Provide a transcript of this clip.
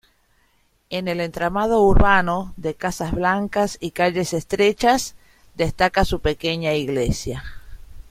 En el entramado urbano, de casas blancas y calles estrechas, destaca su pequeña iglesia.